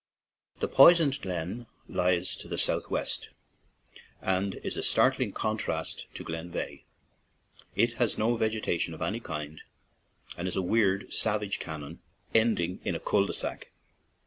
The "Poisoned Glen" lies to the south west, and is a startling contrast to Glen Veigh. It has no vegetation of any kind, and is a weird, savage canon ending in a cul de sac.